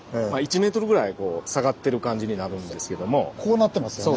ここのこうなってますよね。